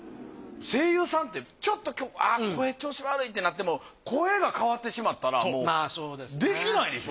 声優さんってちょっと今日声調子悪いってなっても声が変わってしまったらもうできないでしょ。